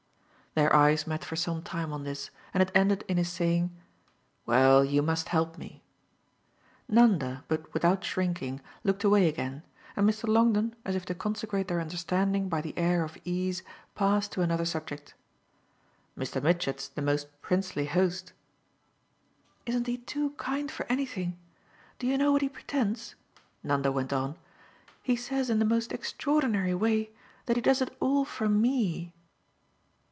Their eyes met for some time on this, and it ended in his saying: "Well, you must help me." Nanda, but without shrinking, looked away again, and Mr. Longdon, as if to consecrate their understanding by the air of ease, passed to another subject. "Mr. Mitchett's the most princely host." "Isn't he too kind for anything? Do you know what he pretends?" Nanda went on. "He says in the most extraordinary way that he does it all for ME."